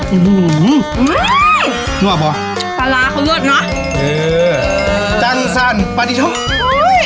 อื้อหือนั่วป่ะปลาร้าเขาเลือดเนอะเออจันทร์สั่นปลาดิโทอุ้ย